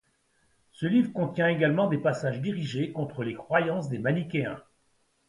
Ce livre contient également des passages dirigés contre les croyances des manichéens.